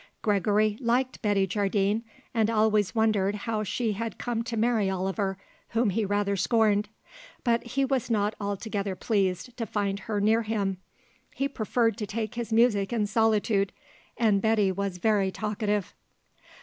Gregory liked Betty Jardine, and always wondered how she had come to marry Oliver, whom he rather scorned; but he was not altogether pleased to find her near him. He preferred to take his music in solitude; and Betty was very talkative.